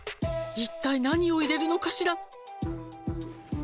「いったい何を入れるのかしら？」